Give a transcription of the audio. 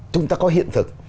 chúng ta có hiện thực